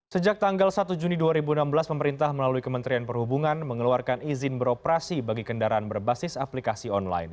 sejak tanggal satu juni dua ribu enam belas pemerintah melalui kementerian perhubungan mengeluarkan izin beroperasi bagi kendaraan berbasis aplikasi online